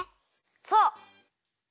そう！